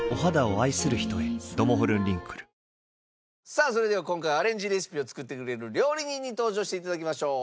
さあそれでは今回アレンジレシピを作ってくれる料理人に登場していただきましょう。